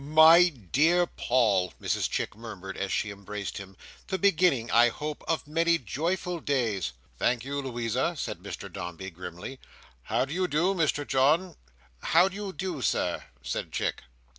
"My dear Paul," Mrs Chick murmured, as she embraced him, "the beginning, I hope, of many joyful days!" "Thank you, Louisa," said Mr Dombey, grimly. "How do you do, Mr John?" "How do you do, Sir?" said Chick.